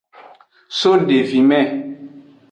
So devime.